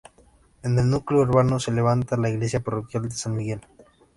En el núcleo urbano se levanta la iglesia parroquial de San Miguel.